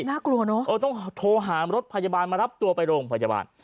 น่ากลัวเนอะเออต้องโทรหารถพยาบาลมารับตัวไปโรงพยาบาล